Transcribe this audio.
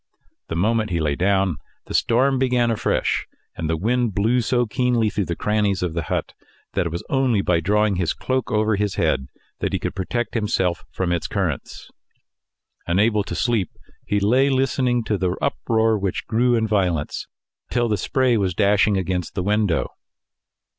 The moment he lay down, the storm began afresh, and the wind blew so keenly through the crannies of the hut, that it was only by drawing his cloak over his head that he could protect himself from its currents. Unable to sleep, he lay listening to the uproar which grew in violence, till the spray was dashing against the window.